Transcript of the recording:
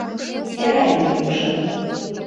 Эрайын йӱкшӧ.